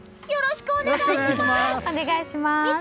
よろしくお願いします！